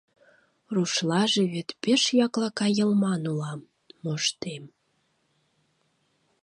Рушлаже вет пеш яклака йылман улам, моштем.